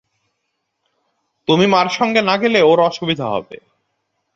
তুমি মার সঙ্গে না গেলে ওঁর অসুবিধা হবে।